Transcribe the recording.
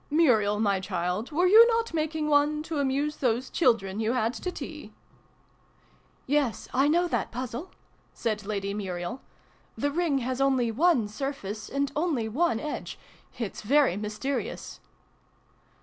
" Muriel, my child, were you not making one, to amuse those children you had to tea ?"" Yes, I know that Puzzle," said Lady Muriel. " The Ring has only one surface, and only one edge. It's very mysterious